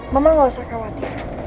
mama gak usah khawatir